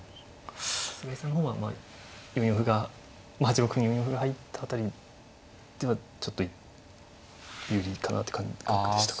菅井さんの方はまあ４四歩がまあ８六歩に４四歩が入った辺りではちょっと有利かなって感覚でしたか。